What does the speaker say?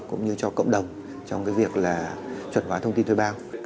cũng như cho cộng đồng trong cái việc là chuẩn hóa thông tin thuê bao